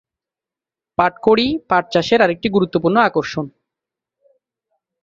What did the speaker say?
পাট খড়ি পাট চাষের আর একটি গুরুত্বপূর্ণ আকর্ষণ।